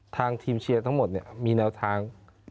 ทางทีมเชียร์ทั้งหมดมีแนวทาง